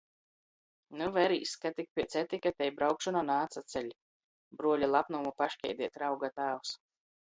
"Nu, verīs, ka tik piec etika tei braukšona naatsaceļ!" bruoļa lapnuma paškaideit rauga tāvs.